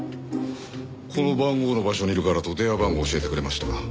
この番号の場所にいるからと電話番号を教えてくれました。